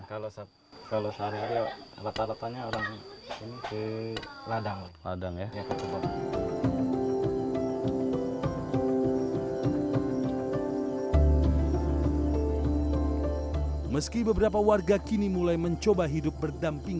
kalau sehari hari rata ratanya orang ke ladang